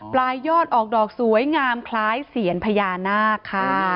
ปลายยอดออกดอกสวยงามคล้ายเสียนพญานาคค่ะ